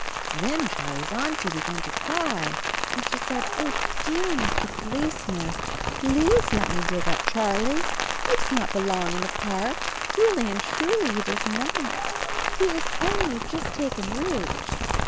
Then Charlie's Auntie began to cry, and she said: "Oh, dear Mr. Policeman, please AND HIS KITTEN TOPSY 43 let me dig up Charlie ! He does not belong in the park, really and truly he does not — he has only just taken root."